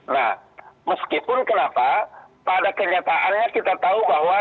nah meskipun kenapa pada kenyataannya kita tahu bahwa